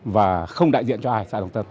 và không đại diện cho ai